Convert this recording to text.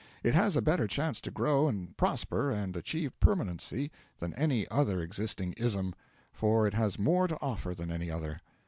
It has a better chance to grow and prosper and achieve permanency than any other existing 'ism;' for it has more to offer than any other.